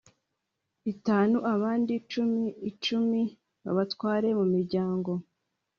itanu abandi cumi icumi batware mu miryango